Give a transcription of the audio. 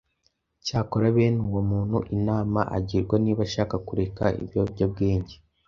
Cyakora bene uwo muntu inama agirwa niba ashaka kureka ibiyobyabwenge